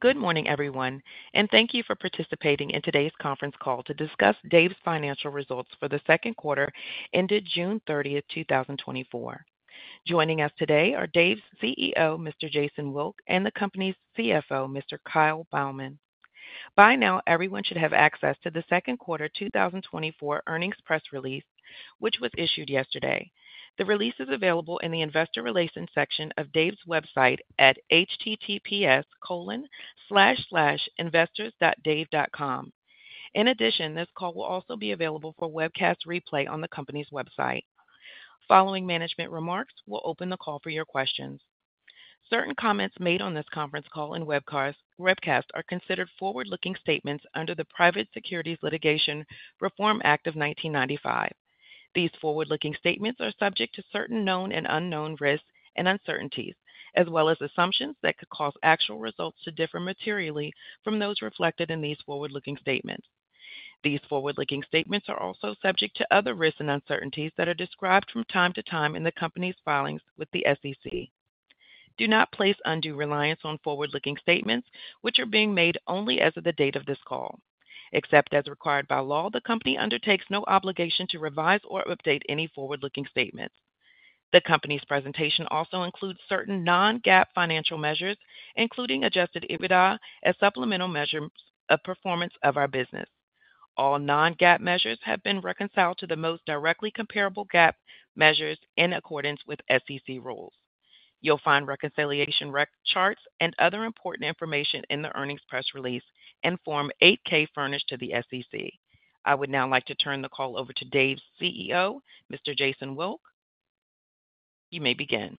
Good morning, everyone, and thank you for participating in today's conference call to discuss Dave's financial results for the second quarter, ended June 30th, 2024. Joining us today are Dave's CEO, Mr. Jason Wilk, and the company's CFO, Mr. Kyle Beilman. By now, everyone should have access to the second quarter 2024 earnings press release, which was issued yesterday. The release is available in the investor relations section of Dave's website at https://investors.dave.com. In addition, this call will also be available for webcast replay on the company's website. Following management remarks, we'll open the call for your questions. Certain comments made on this conference call and webcast are considered forward-looking statements under the Private Securities Litigation Reform Act of 1995. These forward-looking statements are subject to certain known and unknown risks and uncertainties, as well as assumptions that could cause actual results to differ materially from those reflected in these forward-looking statements. These forward-looking statements are also subject to other risks and uncertainties that are described from time to time in the company's filings with the SEC. Do not place undue reliance on forward-looking statements, which are being made only as of the date of this call. Except as required by law, the company undertakes no obligation to revise or update any forward-looking statements. The company's presentation also includes certain non-GAAP financial measures, including Adjusted EBITDA, as supplemental measures of performance of our business. All non-GAAP measures have been reconciled to the most directly comparable GAAP measures in accordance with SEC rules. You'll find reconciliation charts and other important information in the earnings press release and Form 8-K furnished to the SEC. I would now like to turn the call over to Dave's CEO, Mr. Jason Wilk. You may begin.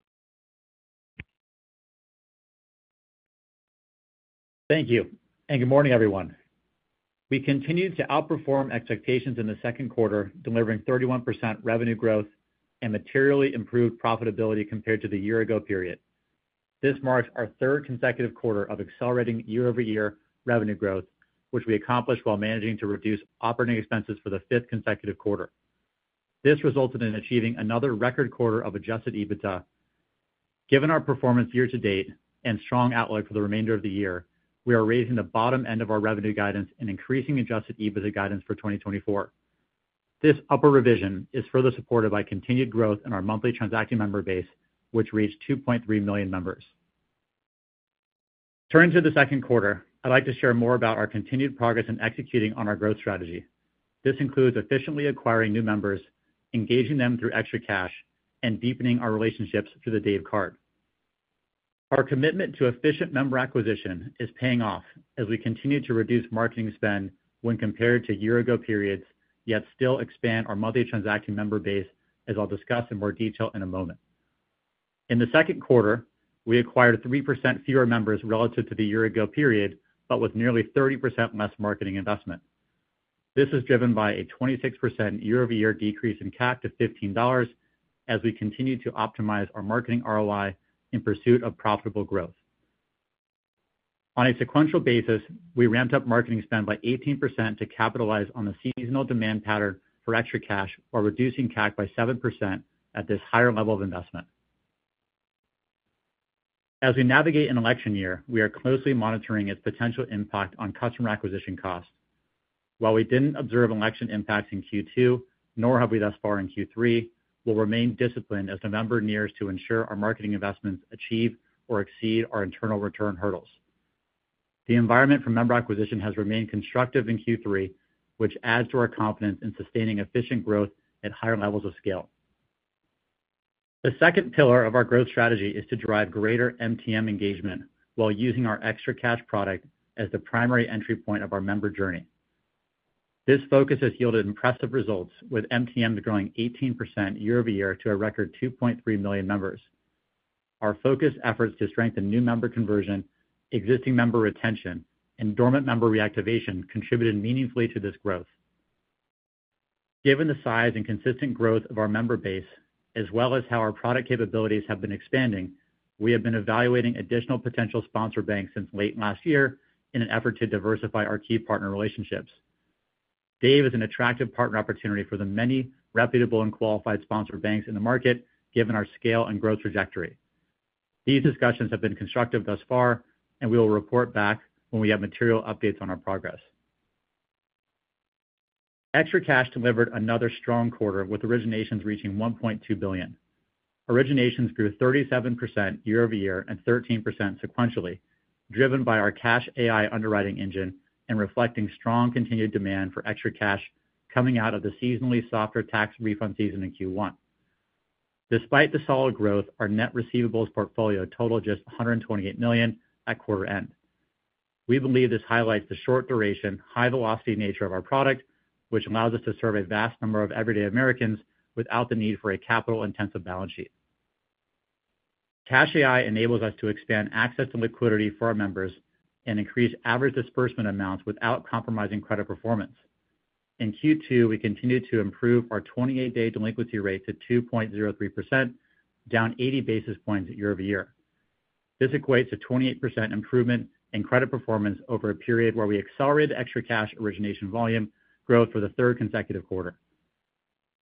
Thank you, and good morning, everyone. We continued to outperform expectations in the second quarter, delivering 31% revenue growth and materially improved profitability compared to the year ago period. This marks our third consecutive quarter of accelerating year-over-year revenue growth, which we accomplished while managing to reduce operating expenses for the fifth consecutive quarter. This resulted in achieving another record quarter of Adjusted EBITDA. Given our performance year to date and strong outlook for the remainder of the year, we are raising the bottom end of our revenue guidance and increasing Adjusted EBITDA guidance for 2024. This upper revision is further supported by continued growth in our monthly transacting member base, which reached 2.3 million members. Turning to the second quarter, I'd like to share more about our continued progress in executing on our growth strategy. This includes efficiently acquiring new members, engaging them through ExtraCash, and deepening our relationships through the Dave Card. Our commitment to efficient member acquisition is paying off as we continue to reduce marketing spend when compared to year-ago periods, yet still expand our monthly transacting member base, as I'll discuss in more detail in a moment. In the second quarter, we acquired 3% fewer members relative to the year-ago period, but with nearly 30% less marketing investment. This is driven by a 26% year-over-year decrease in CAC to $15 as we continue to optimize our marketing ROI in pursuit of profitable growth. On a sequential basis, we ramped up marketing spend by 18% to capitalize on the seasonal demand pattern for ExtraCash, while reducing CAC by 7% at this higher level of investment. As we navigate an election year, we are closely monitoring its potential impact on customer acquisition costs. While we didn't observe election impacts in Q2, nor have we thus far in Q3, we'll remain disciplined as the November nears to ensure our marketing investments achieve or exceed our internal return hurdles. The environment for member acquisition has remained constructive in Q3, which adds to our confidence in sustaining efficient growth at higher levels of scale. The second pillar of our growth strategy is to drive greater MTM engagement while using our ExtraCash product as the primary entry point of our member journey. This focus has yielded impressive results, with MTM growing 18% year-over-year to a record 2.3 million members. Our focused efforts to strengthen new member conversion, existing member retention, and dormant member reactivation contributed meaningfully to this growth. Given the size and consistent growth of our member base, as well as how our product capabilities have been expanding, we have been evaluating additional potential sponsor banks since late last year in an effort to diversify our key partner relationships. Dave is an attractive partner opportunity for the many reputable and qualified sponsor banks in the market, given our scale and growth trajectory. These discussions have been constructive thus far, and we will report back when we have material updates on our progress. ExtraCash delivered another strong quarter, with originations reaching $1.2 billion. Originations grew 37% year-over-year and 13% sequentially, driven by our CashAI underwriting engine and reflecting strong continued demand for ExtraCash coming out of the seasonally softer tax refund season in Q1. Despite the solid growth, our net receivables portfolio totaled just $128 million at quarter end. We believe this highlights the short duration, high velocity nature of our product, which allows us to serve a vast number of everyday Americans without the need for a capital-intensive balance sheet. CashAI enables us to expand access and liquidity for our members and increase average disbursement amounts without compromising credit performance. In Q2, we continued to improve our 28-day delinquency rate to 2.03%, down 80 basis points year-over-year. This equates a 28% improvement in credit performance over a period where we accelerated ExtraCash origination volume growth for the third consecutive quarter...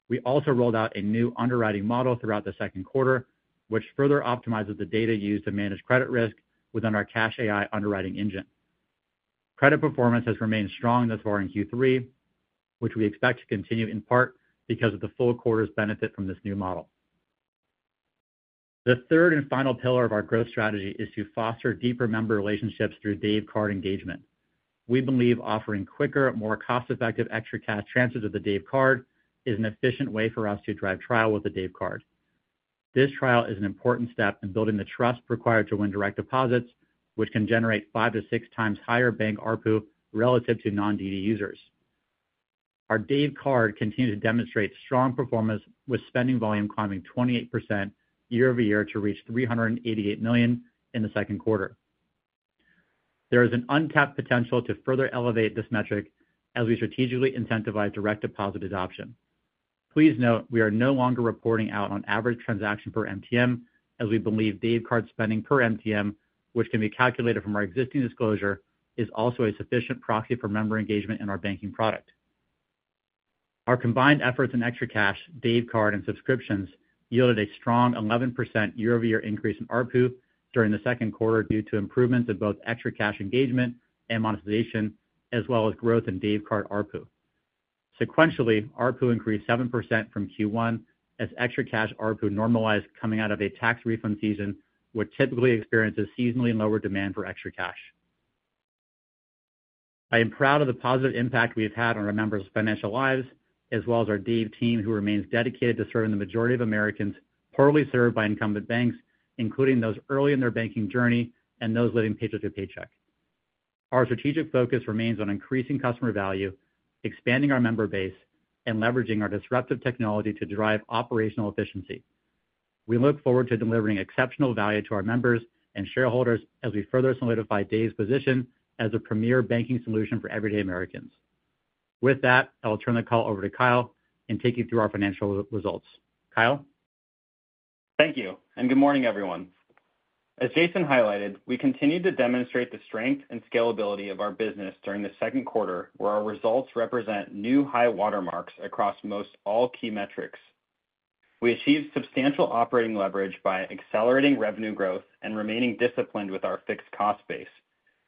We also rolled out a new underwriting model throughout the second quarter, which further optimizes the data used to manage credit risk within our CashAI underwriting engine. Credit performance has remained strong thus far in Q3, which we expect to continue, in part because of the full quarter's benefit from this new model. The third and final pillar of our growth strategy is to foster deeper member relationships through Dave Card engagement. We believe offering quicker, more cost-effective ExtraCash transfers of the Dave Card is an efficient way for us to drive trial with the Dave Card. This trial is an important step in building the trust required to win direct deposits, which can generate 5-6 times higher bank ARPU relative to non-DD users. Our Dave Card continued to demonstrate strong performance, with spending volume climbing 28% year-over-year to reach $388 million in the second quarter. There is an untapped potential to further elevate this metric as we strategically incentivize direct deposit adoption. Please note, we are no longer reporting out on average transaction per MTM, as we believe Dave Card spending per MTM, which can be calculated from our existing disclosure, is also a sufficient proxy for member engagement in our banking product. Our combined efforts in ExtraCash, Dave Card, and subscriptions yielded a strong 11% year-over-year increase in ARPU during the second quarter due to improvements in both ExtraCash engagement and monetization, as well as growth in Dave Card ARPU. Sequentially, ARPU increased 7% from Q1 as ExtraCash ARPU normalized coming out of a tax refund season, which typically experiences seasonally lower demand for ExtraCash. I am proud of the positive impact we have had on our members' financial lives, as well as our Dave team, who remains dedicated to serving the majority of Americans poorly served by incumbent banks, including those early in their banking journey and those living paycheck to paycheck. Our strategic focus remains on increasing customer value, expanding our member base, and leveraging our disruptive technology to drive operational efficiency. We look forward to delivering exceptional value to our members and shareholders as we further solidify Dave's position as a premier banking solution for everyday Americans. With that, I'll turn the call over to Kyle and take you through our financial results. Kyle? Thank you, and good morning, everyone. As Jason highlighted, we continued to demonstrate the strength and scalability of our business during the second quarter, where our results represent new high watermarks across most all key metrics. We achieved substantial operating leverage by accelerating revenue growth and remaining disciplined with our fixed cost base,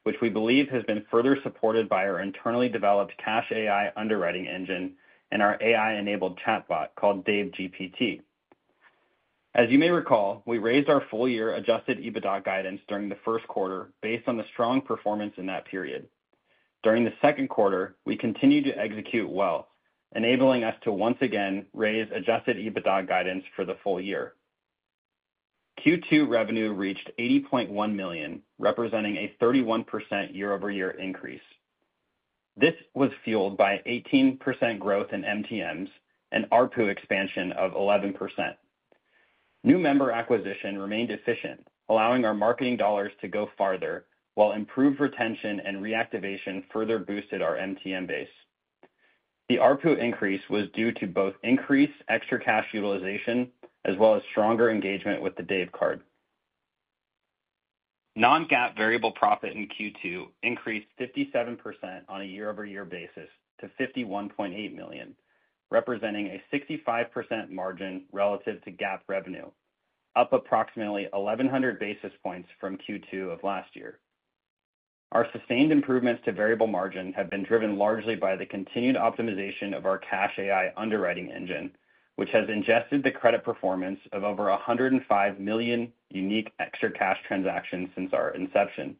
which we believe has been further supported by our internally developed CashAI underwriting engine and our AI-enabled chatbot, called DaveGPT. As you may recall, we raised our full-year adjusted EBITDA guidance during the first quarter based on the strong performance in that period. During the second quarter, we continued to execute well, enabling us to once again raise adjusted EBITDA guidance for the full year. Q2 revenue reached $80.1 million, representing a 31% year-over-year increase. This was fueled by 18% growth in MTMs and ARPU expansion of 11%. New member acquisition remained efficient, allowing our marketing dollars to go farther, while improved retention and reactivation further boosted our MTM base. The ARPU increase was due to both increased ExtraCash utilization as well as stronger engagement with the Dave Card. Non-GAAP variable profit in Q2 increased 57% on a year-over-year basis to $51.8 million, representing a 65% margin relative to GAAP revenue, up approximately 1,100 basis points from Q2 of last year. Our sustained improvements to variable margin have been driven largely by the continued optimization of our CashAI underwriting engine, which has ingested the credit performance of over 105 million unique ExtraCash transactions since our inception.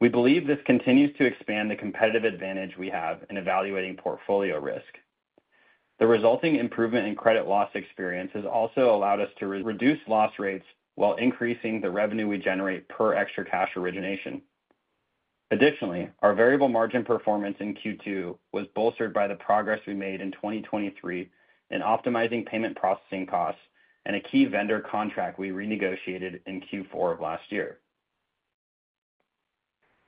We believe this continues to expand the competitive advantage we have in evaluating portfolio risk. The resulting improvement in credit loss experience has also allowed us to reduce loss rates while increasing the revenue we generate per ExtraCash origination. Additionally, our variable margin performance in Q2 was bolstered by the progress we made in 2023 in optimizing payment processing costs and a key vendor contract we renegotiated in Q4 of last year.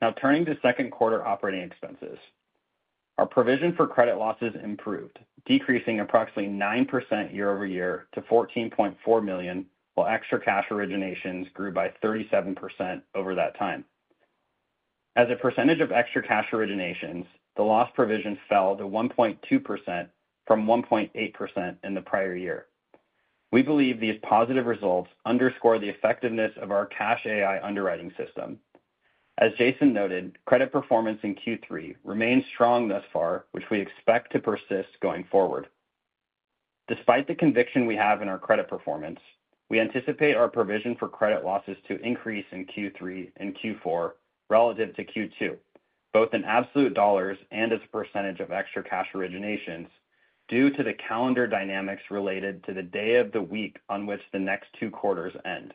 Now, turning to second quarter operating expenses. Our provision for credit losses improved, decreasing approximately 9% year-over-year to $14.4 million, while ExtraCash originations grew by 37% over that time. As a percentage of ExtraCash originations, the loss provision fell to 1.2% from 1.8% in the prior year. We believe these positive results underscore the effectiveness of our CashAI underwriting system. As Jason noted, credit performance in Q3 remains strong thus far, which we expect to persist going forward. Despite the conviction we have in our credit performance, we anticipate our provision for credit losses to increase in Q3 and Q4 relative to Q2, both in absolute dollars and as a percentage of ExtraCash originations, due to the calendar dynamics related to the day of the week on which the next two quarters end.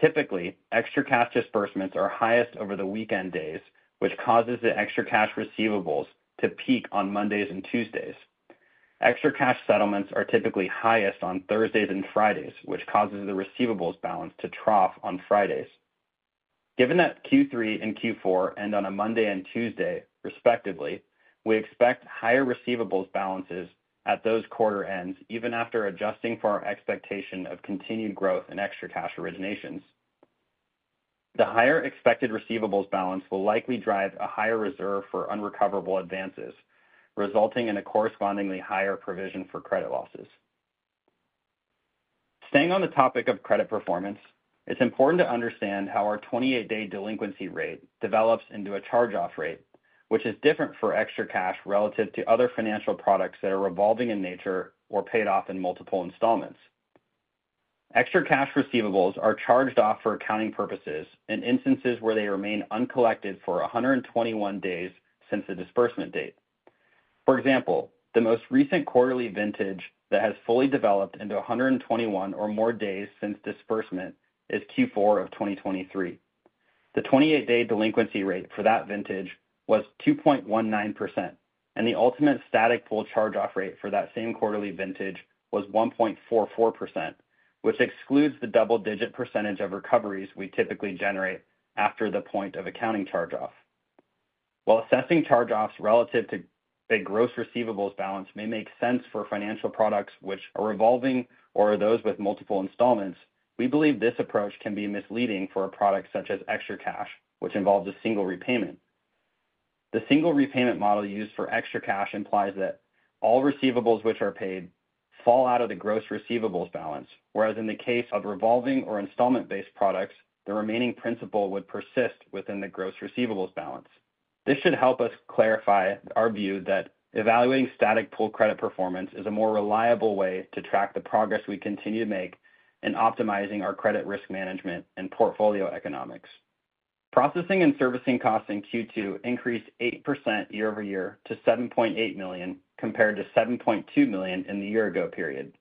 Typically, ExtraCash disbursements are highest over the weekend days, which causes the ExtraCash receivables to peak on Mondays and Tuesdays. ExtraCash settlements are typically highest on Thursdays and Fridays, which causes the receivables balance to trough on Fridays. Given that Q3 and Q4 end on a Monday and Tuesday, respectively, we expect higher receivables balances at those quarter ends, even after adjusting for our expectation of continued growth in ExtraCash originations.... The higher expected receivables balance will likely drive a higher reserve for unrecoverable advances, resulting in a correspondingly higher provision for credit losses. Staying on the topic of credit performance, it's important to understand how our 28-day delinquency rate develops into a charge-off rate, which is different for ExtraCash relative to other financial products that are revolving in nature or paid off in multiple installments. ExtraCash receivables are charged off for accounting purposes in instances where they remain uncollected for 121 days since the disbursement date. For example, the most recent quarterly vintage that has fully developed into 121 or more days since disbursement is Q4 of 2023. The 28-Day Delinquency Rate for that vintage was 2.19%, and the ultimate Static Pool Charge-Off Rate for that same quarterly vintage was 1.44%, which excludes the double-digit percentage of recoveries we typically generate after the point of accounting charge-off. While assessing charge-offs relative to the gross receivables balance may make sense for financial products which are revolving or those with multiple installments, we believe this approach can be misleading for a product such as ExtraCash, which involves a single repayment. The single repayment model used for ExtraCash implies that all receivables which are paid fall out of the gross receivables balance, whereas in the case of revolving or installment-based products, the remaining principal would persist within the gross receivables balance. This should help us clarify our view that evaluating static pool credit performance is a more reliable way to track the progress we continue to make in optimizing our credit risk management and portfolio economics. Processing and servicing costs in Q2 increased 8% year-over-year to $7.8 million, compared to $7.2 million in the year-ago period.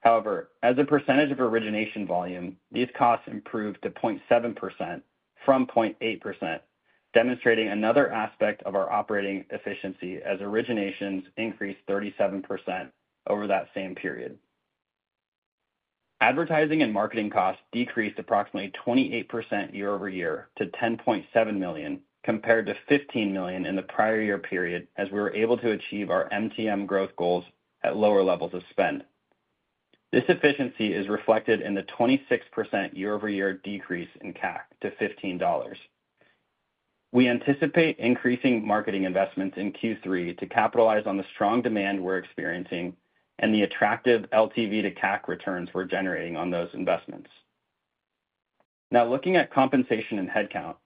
However, as a percentage of origination volume, these costs improved to 0.7% from 0.8%, demonstrating another aspect of our operating efficiency as originations increased 37% over that same period. Advertising and marketing costs decreased approximately 28% year-over-year to $10.7 million, compared to $15 million in the prior year period, as we were able to achieve our MTM growth goals at lower levels of spend. This efficiency is reflected in the 26% year-over-year decrease in CAC to $15. We anticipate increasing marketing investments in Q3 to capitalize on the strong demand we're experiencing and the attractive LTV to CAC returns we're generating on those investments. Now, looking at compensation and headcount.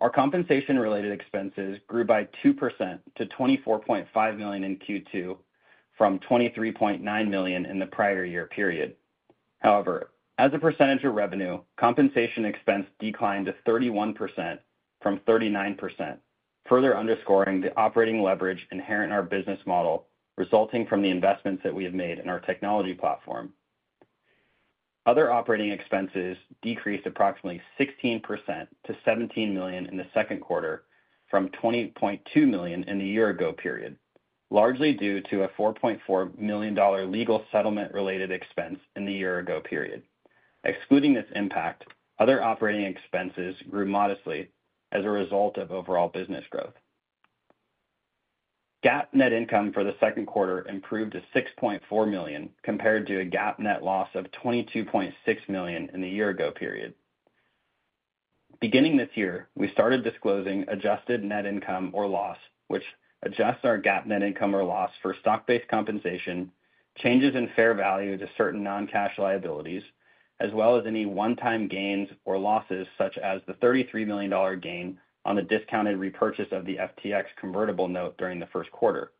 Our compensation-related expenses grew by 2%-$24.5 million in Q2 from $23.9 million in the prior year period. However, as a percentage of revenue, compensation expense declined to 31% from 39%, further underscoring the operating leverage inherent in our business model, resulting from the investments that we have made in our technology platform. Other operating expenses decreased approximately 16% to $17 million in the second quarter from $20.2 million in the year ago period, largely due to a $4.4 million legal settlement-related expense in the year ago period. Excluding this impact, other operating expenses grew modestly as a result of overall business growth. GAAP net income for the second quarter improved to $6.4 million, compared to a GAAP net loss of $22.6 million in the year ago period. Beginning this year, we started disclosing adjusted net income or loss, which adjusts our GAAP net income or loss for stock-based compensation, changes in fair value to certain non-cash liabilities, as well as any one-time gains or losses, such as the $33 million gain on the discounted repurchase of the FTX convertible note during the first quarter.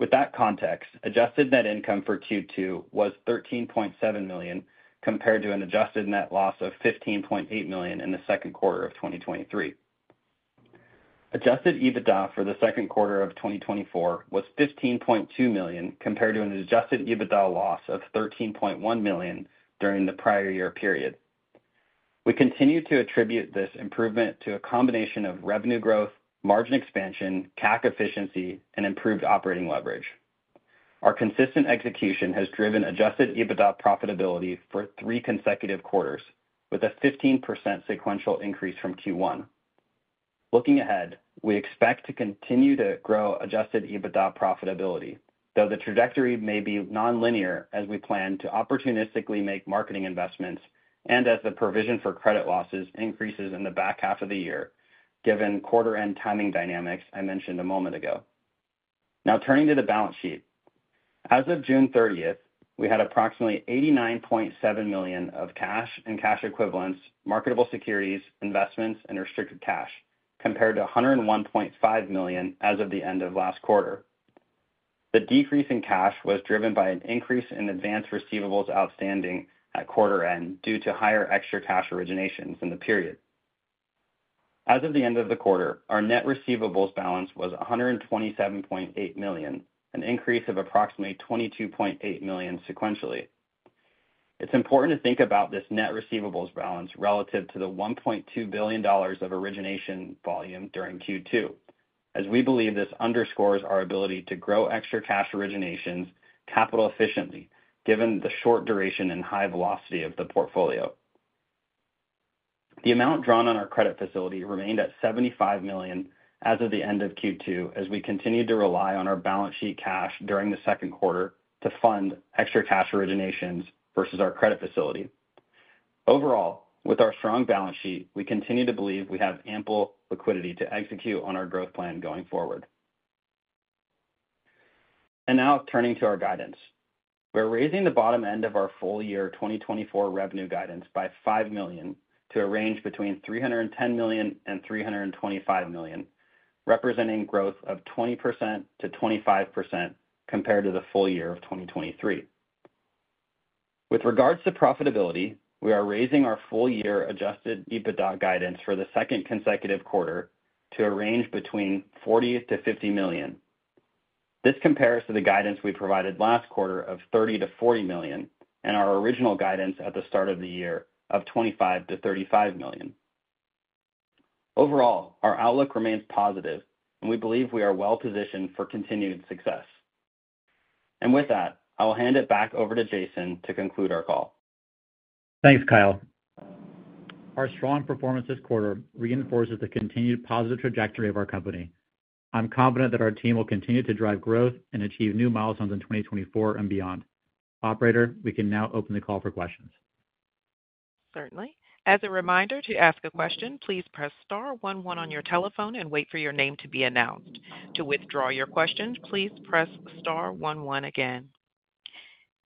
With that context, adjusted net income for Q2 was $13.7 million, compared to an adjusted net loss of $15.8 million in the second quarter of 2023. Adjusted EBITDA for the second quarter of 2024 was $15.2 million, compared to an adjusted EBITDA loss of $13.1 million during the prior year period. We continue to attribute this improvement to a combination of revenue growth, margin expansion, CAC efficiency, and improved operating leverage. Our consistent execution has driven adjusted EBITDA profitability for 3 consecutive quarters, with a 15% sequential increase from Q1. Looking ahead, we expect to continue to grow adjusted EBITDA profitability, though the trajectory may be nonlinear as we plan to opportunistically make marketing investments and as the provision for credit losses increases in the back half of the year, given quarter end timing dynamics I mentioned a moment ago. Now, turning to the balance sheet. As of June 30, we had approximately $89.7 million of cash and cash equivalents, marketable securities, investments, and restricted cash, compared to $101.5 million as of the end of last quarter. The decrease in cash was driven by an increase in advance receivables outstanding at quarter end due to higher ExtraCash originations in the period. As of the end of the quarter, our net receivables balance was $127.8 million, an increase of approximately $22.8 million sequentially. It's important to think about this net receivables balance relative to the $1.2 billion of origination volume during Q2, as we believe this underscores our ability to grow ExtraCash originations capital efficiently, given the short duration and high velocity of the portfolio. The amount drawn on our credit facility remained at $75 million as of the end of Q2, as we continued to rely on our balance sheet cash during the second quarter to fund ExtraCash originations versus our credit facility. Overall, with our strong balance sheet, we continue to believe we have ample liquidity to execute on our growth plan going forward. Now turning to our guidance. We're raising the bottom end of our full year 2024 revenue guidance by $5 million, to a range between $310 million and $325 million, representing growth of 20%-25% compared to the full year of 2023. With regards to profitability, we are raising our full year Adjusted EBITDA guidance for the second consecutive quarter to a range between $40 million-$50 million. This compares to the guidance we provided last quarter of $30 million-$40 million, and our original guidance at the start of the year of $25 million-$35 million. Overall, our outlook remains positive, and we believe we are well-positioned for continued success. With that, I will hand it back over to Jason to conclude our call. Thanks, Kyle. Our strong performance this quarter reinforces the continued positive trajectory of our company. I'm confident that our team will continue to drive growth and achieve new milestones in 2024 and beyond. Operator, we can now open the call for questions. Certainly. As a reminder, to ask a question, please press star one one on your telephone and wait for your name to be announced. To withdraw your questions, please press star one one again.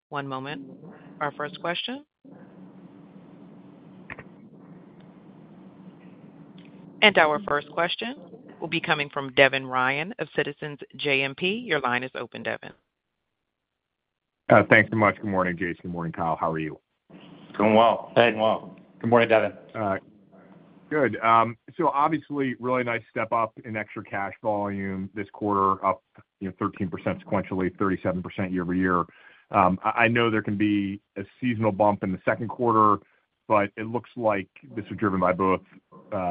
One moment. Our first question? Our first question will be coming from Devin Ryan of Citizens JMP. Your line is open, Devin. Thanks so much. Good morning, Jason. Good morning, Kyle. How are you? Doing well. Doing well. Good morning, Devin. All right. Good. So obviously, really nice step up in ExtraCash volume this quarter, up, you know, 13% sequentially, 37% year-over-year. I know there can be a seasonal bump in the second quarter, but it looks like this is driven by both,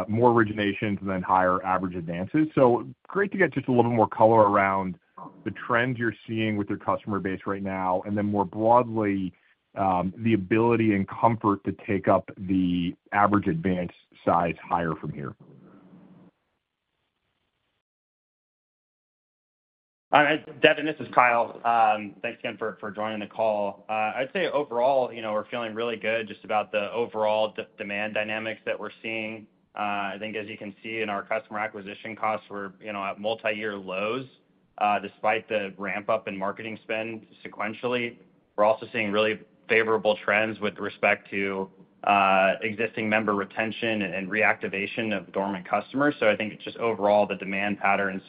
more originations and then higher average advances. So great to get just a little more color around the trends you're seeing with your customer base right now, and then more broadly, the ability and comfort to take up the average advance size higher from here. All right, Devin, this is Kyle. Thanks again for joining the call. I'd say overall, you know, we're feeling really good just about the overall demand dynamics that we're seeing. I think as you can see in our customer acquisition costs, we're, you know, at multi-year lows, despite the ramp-up in marketing spend sequentially. We're also seeing really favorable trends with respect to existing member retention and reactivation of dormant customers. So I think just overall, the demand patterns,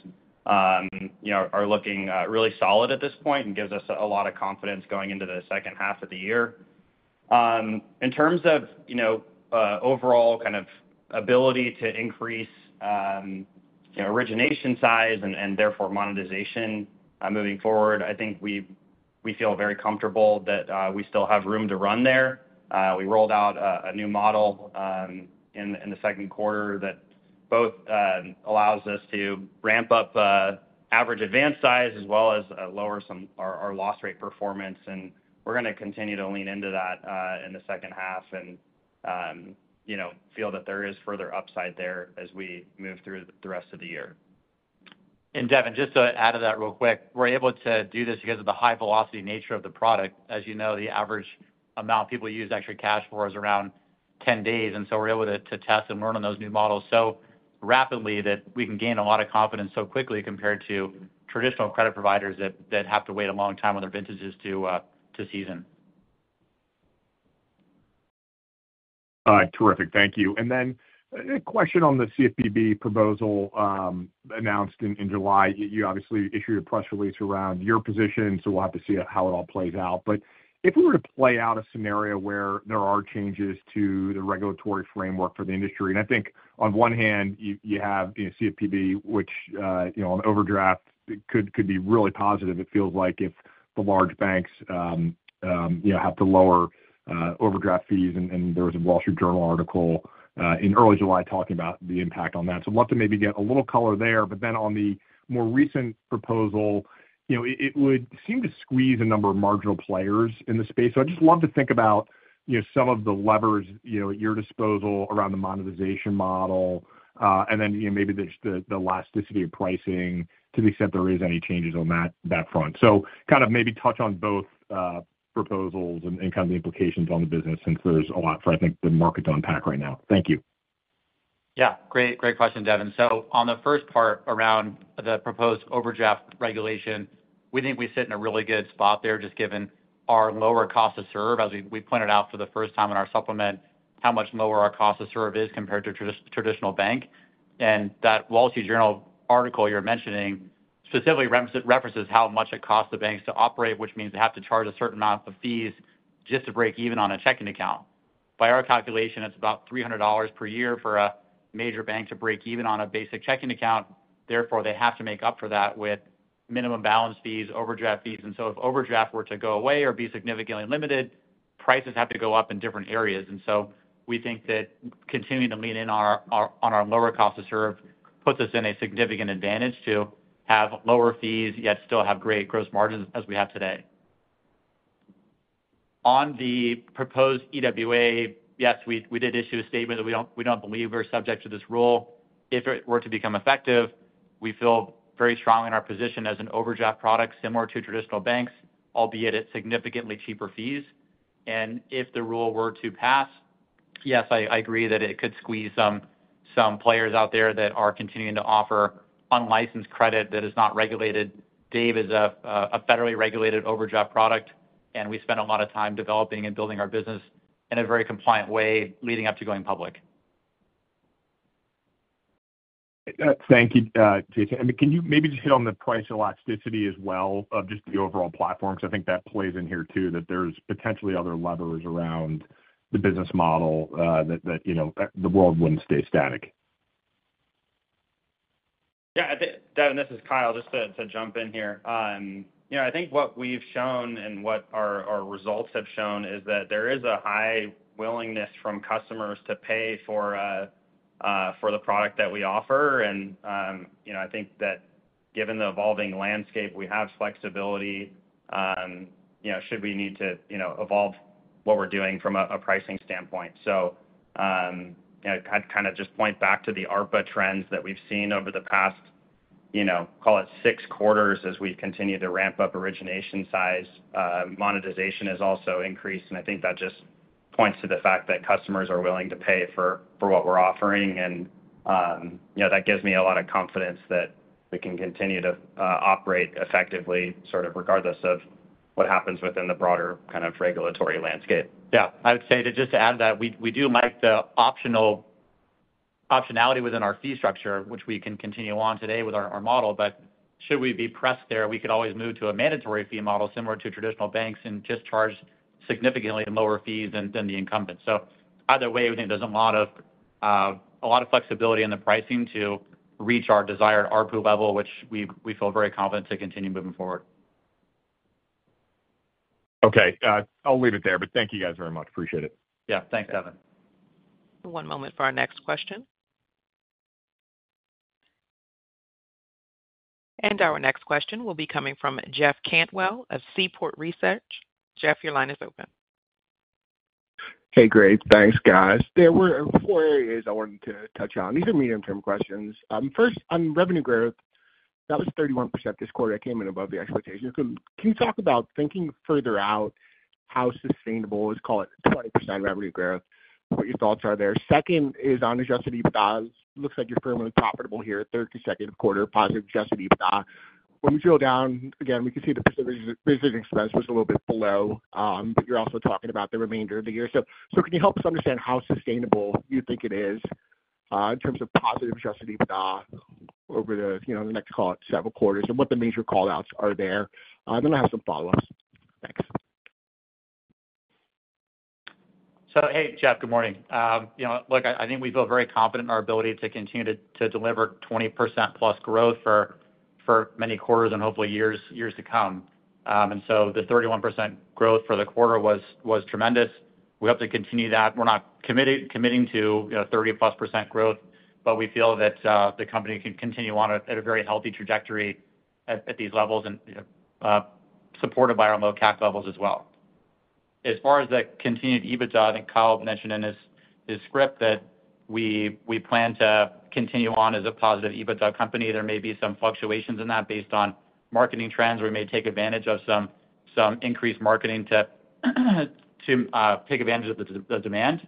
you know, are looking really solid at this point and gives us a lot of confidence going into the second half of the year. In terms of, you know, overall kind of ability to increase, you know, origination size and therefore monetization moving forward, I think we feel very comfortable that we still have room to run there. We rolled out a new model in the second quarter that both allows us to ramp up average advance size as well as lower some of our loss rate performance. And we're gonna continue to lean into that in the second half and, you know, feel that there is further upside there as we move through the rest of the year. And Devin, just to add to that real quick, we're able to do this because of the high velocity nature of the product. As you know, the average amount people use ExtraCash for is around 10 days, and so we're able to, to test and learn on those new models so rapidly that we can gain a lot of confidence so quickly compared to traditional credit providers that, that have to wait a long time on their vintages to, to season. Terrific. Thank you. And then a question on the CFPB proposal, announced in July. You obviously issued a press release around your position, so we'll have to see how it all plays out. But if we were to play out a scenario where there are changes to the regulatory framework for the industry, and I think on one hand, you have, you know, CFPB, which, you know, on overdraft, it could be really positive. It feels like if the large banks, you know, have to lower overdraft fees, and there was a Wall Street Journal article in early July talking about the impact on that. So I'd love to maybe get a little color there. But then on the more recent proposal, you know, it would seem to squeeze a number of marginal players in the space. So I'd just love to think about, you know, some of the levers, you know, at your disposal around the monetization model, and then, you know, maybe just the, the elasticity of pricing to the extent there is any changes on that, that front. So kind of maybe touch on both, proposals and, and kind of the implications on the business, since there's a lot for, I think, the market to unpack right now. Thank you. Yeah, great, great question, Devin. So on the first part around the proposed overdraft regulation, we think we sit in a really good spot there, just given our lower cost to serve, as we pointed out for the first time in our supplement, how much lower our cost to serve is compared to traditional bank. And that Wall Street Journal article you're mentioning specifically references how much it costs the banks to operate, which means they have to charge a certain amount of fees just to break even on a checking account. By our calculation, it's about $300 per year for a major bank to break even on a basic checking account. Therefore, they have to make up for that with minimum balance fees, overdraft fees. And so if overdraft were to go away or be significantly limited, prices have to go up in different areas. And so we think that continuing to lean in on our lower cost to serve puts us in a significant advantage to have lower fees, yet still have great gross margins as we have today. On the proposed EWA, yes, we did issue a statement that we don't believe we're subject to this rule. If it were to become effective, we feel very strong in our position as an overdraft product, similar to traditional banks, albeit at significantly cheaper fees. And if the rule were to pass, yes, I agree that it could squeeze some players out there that are continuing to offer unlicensed credit that is not regulated. Dave is a federally regulated overdraft product, and we spend a lot of time developing and building our business in a very compliant way leading up to going public. Thank you, Jason. And can you maybe just hit on the price elasticity as well of just the overall platform? Because I think that plays in here too, that there's potentially other levers around the business model, you know, the world wouldn't stay static. Yeah, I think, Devin, this is Kyle, just to jump in here. You know, I think what we've shown and what our results have shown is that there is a high willingness from customers to pay for the product that we offer. You know, I think that given the evolving landscape, we have flexibility, you know, should we need to, you know, evolve what we're doing from a pricing standpoint. So, you know, I'd kind of just point back to the ARPU trends that we've seen over the past, you know, call it six quarters, as we continue to ramp up origination size. Monetization has also increased, and I think that just points to the fact that customers are willing to pay for what we're offering. And, you know, that gives me a lot of confidence that we can continue to operate effectively, sort of regardless of what happens within the broader kind of regulatory landscape. Yeah, I would say to just add that we, we do like the optional- optionality within our fee structure, which we can continue on today with our, our model. But should we be pressed there, we could always move to a mandatory fee model similar to traditional banks and just charge significantly lower fees than, than the incumbent. So either way, I think there's a lot of, a lot of flexibility in the pricing to reach our desired ARPU level, which we, we feel very confident to continue moving forward. Okay. I'll leave it there, but thank you guys very much. Appreciate it. Yeah, thanks, Devin. One moment for our next question. Our next question will be coming from Jeff Cantwell of Seaport Research. Jeff, your line is open. Hey, great. Thanks, guys. There were four areas I wanted to touch on. These are medium-term questions. First, on revenue growth, that was 31% this quarter, came in above the expectation. Can you talk about thinking further out, how sustainable is, call it, 20% revenue growth, what your thoughts are there? Second is on adjusted EBITDA. It looks like you're permanently profitable here, 32nd quarter positive adjusted EBITDA. When we drill down again, we can see the marketing expense percentage was a little bit below, but you're also talking about the remainder of the year. So can you help us understand how sustainable you think it is, in terms of positive adjusted EBITDA over the, you know, the next, call it, several quarters, and what the major call-outs are there? Then I have some follow-ups. Thanks. So, hey, Jeff, good morning. You know, look, I think we feel very confident in our ability to continue to deliver 20%+ growth for many quarters and hopefully years to come. And so the 31% growth for the quarter was tremendous. We hope to continue that. We're not committing to, you know, 30%+ growth, but we feel that the company can continue on a very healthy trajectory at these levels and, you know, supported by our low CAC levels as well. As far as the continued EBITDA, I think Kyle mentioned in his script that we plan to continue on as a positive EBITDA company. There may be some fluctuations in that based on marketing trends. We may take advantage of some increased marketing to take advantage of the demand.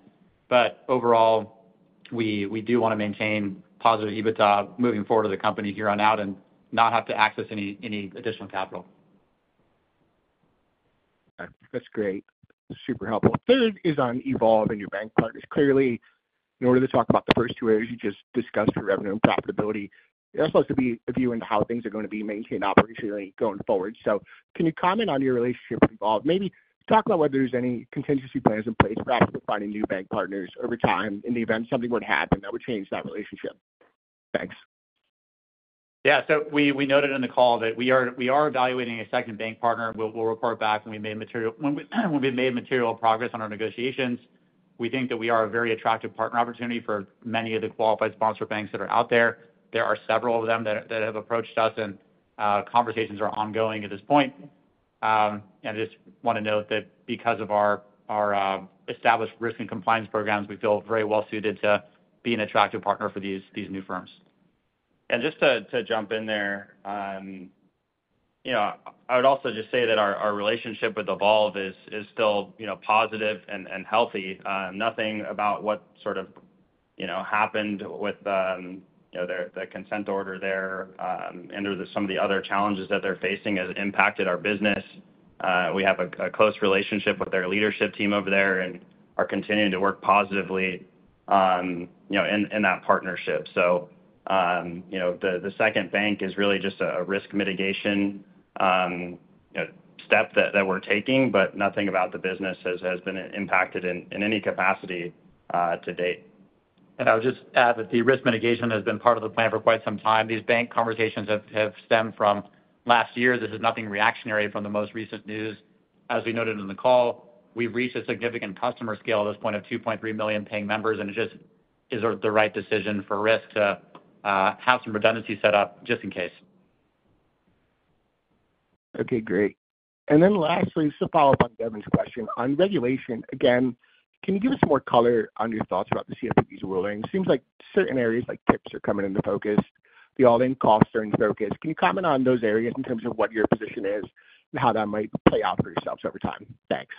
But overall, we do want to maintain positive EBITDA moving forward to the company here on out and not have to access any additional capital. That's great. Super helpful. Third is on Evolve and your bank partners. Clearly, in order to talk about the first two areas you just discussed, for revenue and profitability, they're supposed to be a view into how things are going to be maintained operationally going forward. So can you comment on your relationship with Evolve? Maybe talk about whether there's any contingency plans in place for actually finding new bank partners over time in the event something would happen that would change that relationship. Thanks. Yeah, so we noted in the call that we are evaluating a second bank partner. We'll report back when we've made material progress on our negotiations. We think that we are a very attractive partner opportunity for many of the qualified sponsor banks that are out there. There are several of them that have approached us, and conversations are ongoing at this point. And I just want to note that because of our established risk and compliance programs, we feel very well suited to be an attractive partner for these new firms. Just to jump in there, you know, I would also just say that our relationship with Evolve is still, you know, positive and healthy. Nothing about what sort of, you know, happened with, you know, the consent order there, and there are some of the other challenges that they're facing has impacted our business. We have a close relationship with their leadership team over there and are continuing to work positively, you know, in that partnership. So, you know, the second bank is really just a risk mitigation, you know, step that we're taking, but nothing about the business has been impacted in any capacity, to date. I would just add that the risk mitigation has been part of the plan for quite some time. These bank conversations have stemmed from last year. This is nothing reactionary from the most recent news. As we noted in the call, we've reached a significant customer scale at this point of 2.3 million paying members, and it just is the right decision for risk to have some redundancy set up just in case. ... Okay, great. And then lastly, just to follow up on Devin's question. On regulation, again, can you give us some more color on your thoughts about the CFPB's ruling? It seems like certain areas, like tips, are coming into focus. The all-in costs are in focus. Can you comment on those areas in terms of what your position is and how that might play out for yourselves over time? Thanks.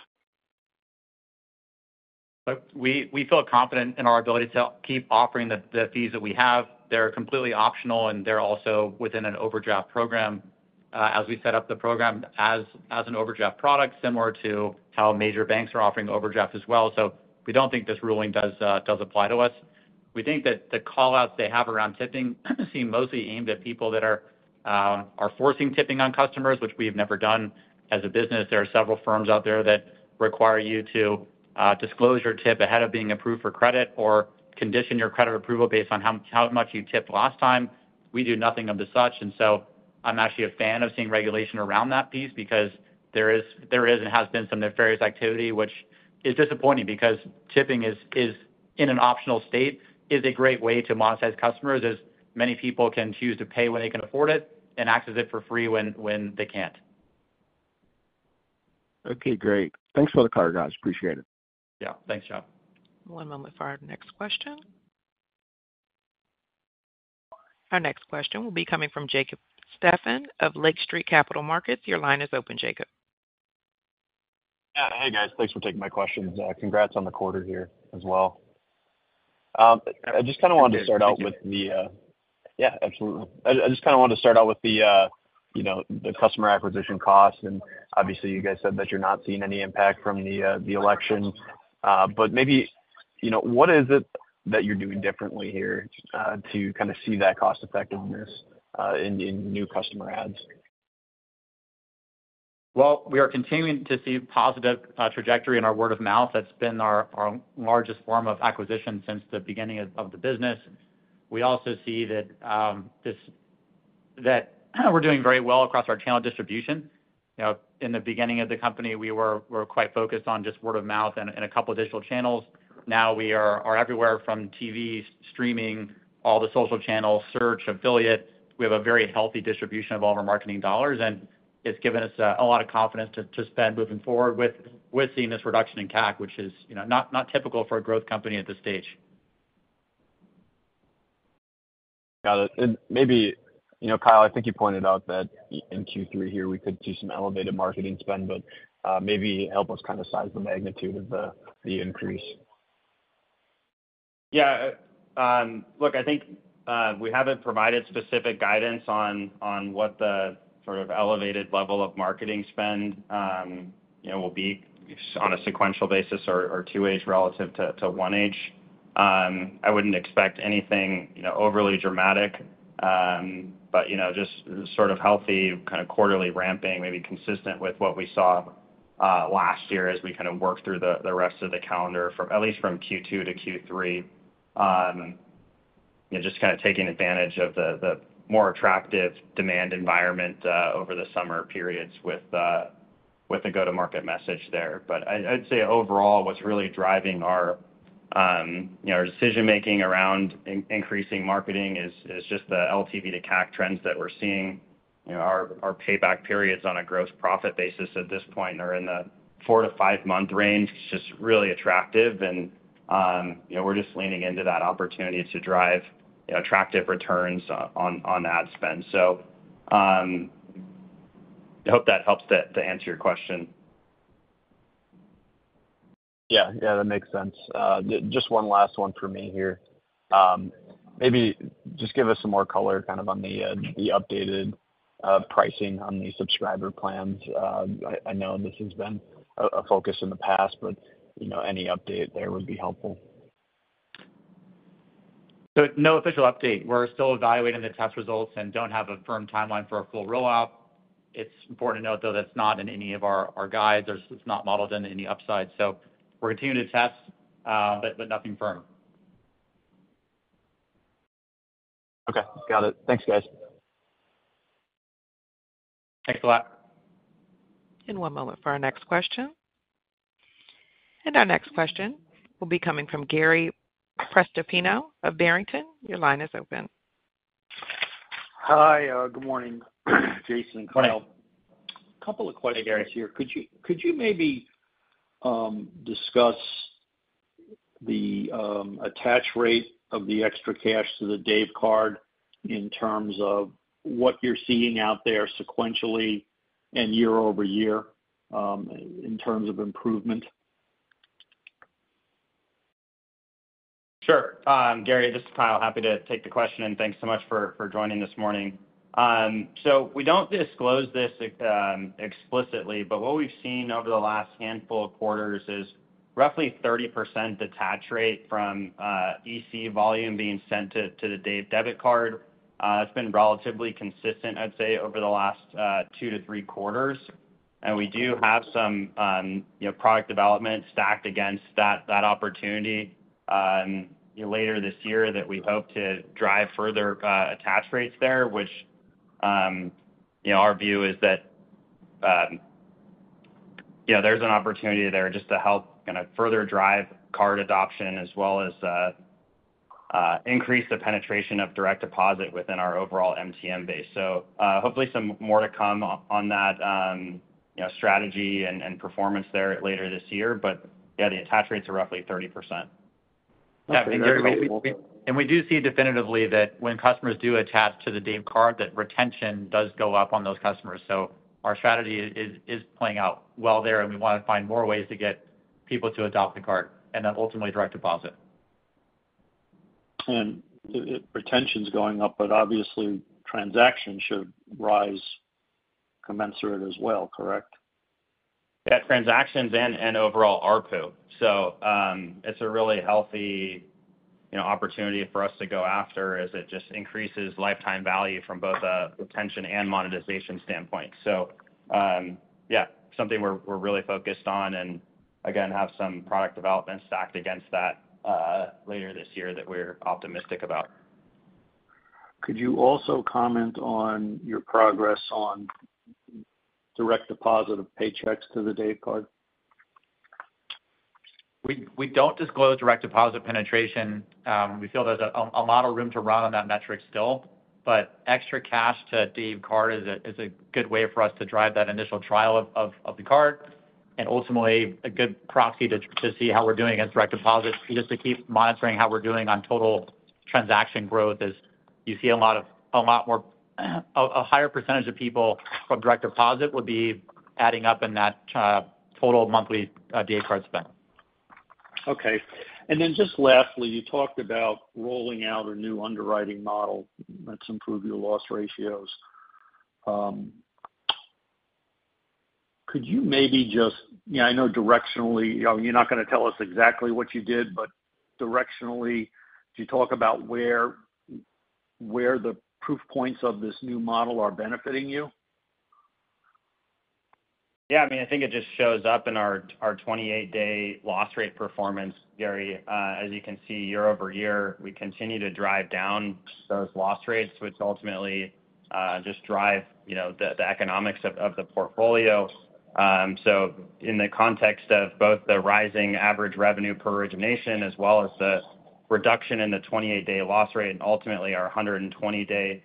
We feel confident in our ability to keep offering the fees that we have. They're completely optional, and they're also within an overdraft program, as we set up the program as an overdraft product, similar to how major banks are offering overdraft as well. So we don't think this ruling does apply to us. We think that the call-outs they have around tipping seem mostly aimed at people that are forcing tipping on customers, which we have never done as a business. There are several firms out there that require you to disclose your tip ahead of being approved for credit or condition your credit approval based on how much you tipped last time. We do nothing of the sort, and so I'm actually a fan of seeing regulation around that piece because there is and has been some nefarious activity, which is disappointing because tipping is, in an optional state, a great way to monetize customers, as many people can choose to pay when they can afford it and access it for free when they can't. Okay, great. Thanks for the color, guys. Appreciate it. Yeah. Thanks, John. One moment for our next question. Our next question will be coming from Jacob Stephan of Lake Street Capital Markets. Your line is open, Jacob. Yeah. Hey, guys, thanks for taking my questions. Congrats on the quarter here as well. I just kind of wanted to start out with the Yeah, absolutely. I just kind of wanted to start out with the, you know, the customer acquisition costs, and obviously, you guys said that you're not seeing any impact from the election. But maybe, you know, what is it that you're doing differently here, to kind of see that cost effectiveness, in new customer adds? Well, we are continuing to see positive trajectory in our word of mouth. That's been our largest form of acquisition since the beginning of the business. We also see that that we're doing very well across our channel distribution. You know, in the beginning of the company, we were quite focused on just word of mouth and a couple additional channels. Now, we are everywhere from TV, streaming, all the social channels, search, affiliate. We have a very healthy distribution of all of our marketing dollars, and it's given us a lot of confidence to spend moving forward with seeing this reduction in CAC, which is, you know, not typical for a growth company at this stage. Got it. And maybe, you know, Kyle, I think you pointed out that in Q3 here, we could see some elevated marketing spend, but maybe help us kind of size the magnitude of the increase. Yeah. Look, I think we haven't provided specific guidance on what the sort of elevated level of marketing spend, you know, will be on a sequential basis or Q2 relative to Q1. I wouldn't expect anything, you know, overly dramatic, but, you know, just sort of healthy, kind of quarterly ramping, maybe consistent with what we saw last year as we kind of worked through the rest of the calendar at least from Q2 to Q3. You know, just kind of taking advantage of the more attractive demand environment over the summer periods with the go-to-market message there. But I'd say overall, what's really driving our, you know, our decision-making around increasing marketing is just the LTV to CAC trends that we're seeing. You know, our payback periods on a gross profit basis at this point are in the 4-5-month range, which is really attractive. And, you know, we're just leaning into that opportunity to drive, you know, attractive returns on ad spend. So, I hope that helps to answer your question. Yeah. Yeah, that makes sense. Just one last one for me here. Maybe just give us some more color, kind of on the updated pricing on the subscriber plans. I know this has been a focus in the past, but you know, any update there would be helpful. So no official update. We're still evaluating the test results and don't have a firm timeline for a full rollout. It's important to note, though, that's not in any of our guides. It's not modeled in any upside. So we're continuing to test, but nothing firm. Okay, got it. Thanks, guys. Thanks a lot. One moment for our next question. Our next question will be coming from Gary Prestopino of Barrington. Your line is open. Hi, good morning, Jason and Kyle. Hi. A couple of questions here. Could you, could you maybe, discuss the attach rate of the ExtraCash to the Dave Card in terms of what you're seeing out there sequentially and year-over-year, in terms of improvement? Sure. Gary, this is Kyle. Happy to take the question, and thanks so much for joining this morning. So we don't disclose this explicitly, but what we've seen over the last handful of quarters is roughly 30% attach rate from EC volume being sent to the Dave debit card. It's been relatively consistent, I'd say, over the last two to three quarters. And we do have some you know, product development stacked against that opportunity, you know, later this year, that we hope to drive further attach rates there, which you know, our view is that Yeah, there's an opportunity there just to help kind of further drive card adoption as well as increase the penetration of direct deposit within our overall MTM base. So, hopefully, some more to come on that, you know, strategy and performance there later this year. But yeah, the attach rates are roughly 30%. And we do see definitively that when customers do attach to the Dave Card, that retention does go up on those customers. So our strategy is playing out well there, and we want to find more ways to get people to adopt the card and then ultimately, direct deposit. The retention's going up, but obviously, transactions should rise commensurate as well, correct? Yeah, transactions and, and overall ARPU. So, it's a really healthy, you know, opportunity for us to go after as it just increases lifetime value from both a retention and monetization standpoint. So, yeah, something we're, we're really focused on, and again, have some product development stacked against that, later this year that we're optimistic about. Could you also comment on your progress on direct deposit of paychecks to the Dave Card? We don't disclose direct deposit penetration. We feel there's a lot of room to run on that metric still, but ExtraCash to Dave Card is a good way for us to drive that initial trial of the card, and ultimately, a good proxy to see how we're doing against direct deposit. Just to keep monitoring how we're doing on total transaction growth, as you see a lot more, a higher percentage of people from direct deposit would be adding up in that total monthly Dave Card spend. Okay. And then just lastly, you talked about rolling out a new underwriting model that's improved your loss ratios. Could you maybe just, yeah, I know directionally, you're not going to tell us exactly what you did, but directionally, could you talk about where, where the proof points of this new model are benefiting you? Yeah, I mean, I think it just shows up in our 28-day loss rate performance, Gary. As you can see, year-over-year, we continue to drive down those loss rates, which ultimately just drive, you know, the economics of the portfolio. So in the context of both the rising average revenue per origination as well as the reduction in the 28-day loss rate, and ultimately, our 120-day,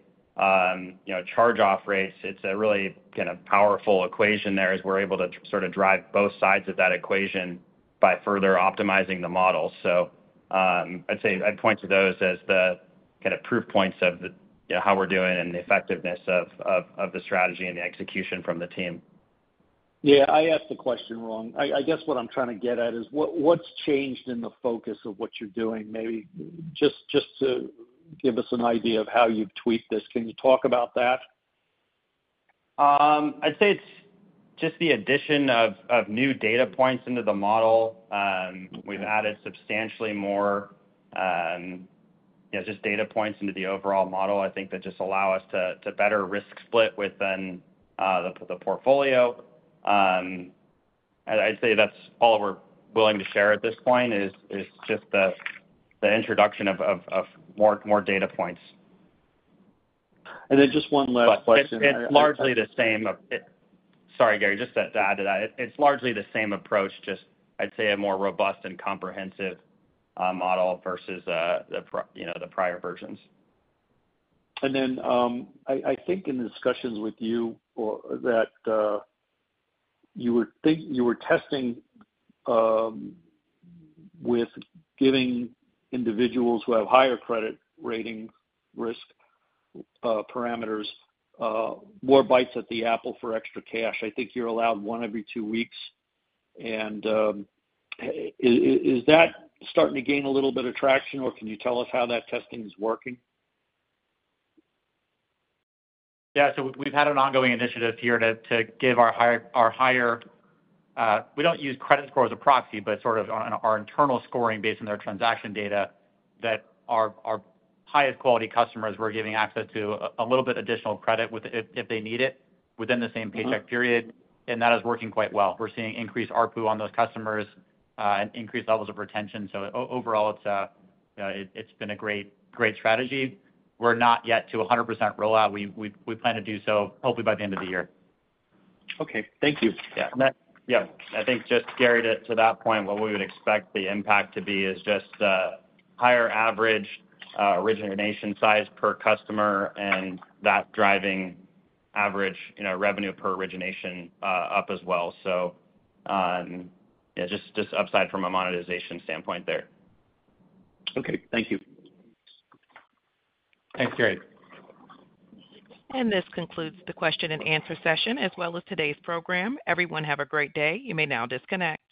you know, charge-off rates, it's a really kind of powerful equation there, as we're able to sort of drive both sides of that equation by further optimizing the model. So, I'd say I'd point to those as the kind of proof points of the, you know, how we're doing and the effectiveness of the strategy and the execution from the team. Yeah, I asked the question wrong. I, I guess what I'm trying to get at is what, what's changed in the focus of what you're doing? Maybe just, just to give us an idea of how you've tweaked this. Can you talk about that? I'd say it's just the addition of new data points into the model. We've added substantially more, yeah, just data points into the overall model, I think, that just allow us to better risk split within the portfolio. I'd say that's all we're willing to share at this point, is just the introduction of more data points. And then just one last question- It's largely the same. Sorry, Gary, just to add to that, it's largely the same approach, just I'd say a more robust and comprehensive model versus the prior versions, you know. And then, I think in the discussions with you or that you were testing with giving individuals who have higher credit rating risk parameters more bites at the apple for ExtraCash. I think you're allowed one every two weeks. And is that starting to gain a little bit of traction, or can you tell us how that testing is working? Yeah, so we've had an ongoing initiative here to give our higher, we don't use credit score as a proxy, but sort of on our internal scoring based on their transaction data, that our highest quality customers we're giving access to a little bit additional credit with if they need it, within the same paycheck period. Mm-hmm. That is working quite well. We're seeing increased ARPU on those customers, and increased levels of retention. So overall, it's been a great, great strategy. We're not yet to a 100% rollout. We plan to do so, hopefully by the end of the year. Okay. Thank you. Yeah. Yeah, I think just, Gary, to that point, what we would expect the impact to be is just higher average origination size per customer and that driving average, you know, revenue per origination up as well. So, yeah, just upside from a monetization standpoint there. Okay, thank you. Thanks, Gary. This concludes the question-and-answer session, as well as today's program. Everyone, have a great day. You may now disconnect.